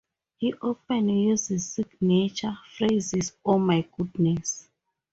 He often uses signature phrases Oh my goodness!